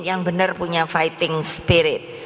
yang benar punya fighting spirit